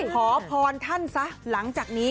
ขอพรท่านซะหลังจากนี้